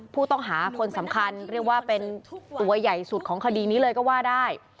ผู้ต้องหาคนสำคัญเรียกว่าเป็นตัวใหญ่สุดของคดีนี้เลยก็ว่าได้